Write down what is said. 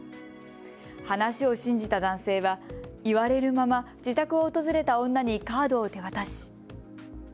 話を信じた男性は言われるまま自宅を訪れた女にカードを手渡し。